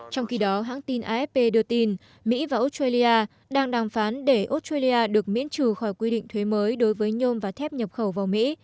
trong khi đó hãng tin afp đưa tin mỹ và australia đang đàm phán để australia được miễn trừ khỏi quy định thuế mới đối với nhôm và thép nhập khẩu vào mỹ